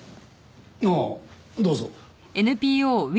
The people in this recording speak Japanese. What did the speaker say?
ああどうぞ。